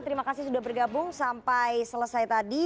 terima kasih sudah bergabung sampai selesai tadi